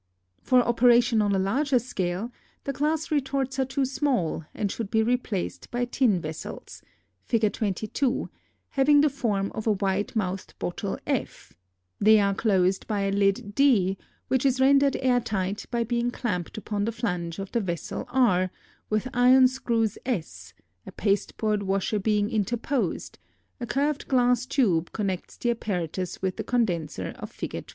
For operation on a larger scale the glass retorts are too small and should be replaced by tin vessels (Fig. 22) having the form of a wide mouthed bottle F; they are closed by a lid D which is rendered air tight by being clamped upon the flange of the vessel (R) with iron screws S, a pasteboard washer being interposed; a curved glass tube connects the apparatus with the condenser of Fig.